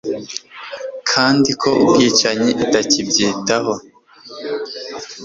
kandi ko ubwicanyi itakibwitaho